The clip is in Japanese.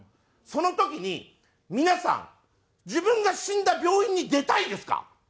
その時に皆さん自分が死んだ病院に出たいですか？